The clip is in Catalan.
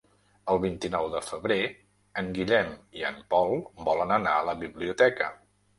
El vint-i-nou de febrer en Guillem i en Pol volen anar a la biblioteca.